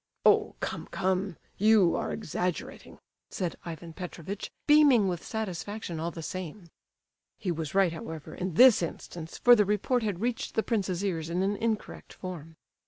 "Oh, come, come! You are exaggerating," said Ivan Petrovitch, beaming with satisfaction, all the same. He was right, however, in this instance, for the report had reached the prince's ears in an incorrect form.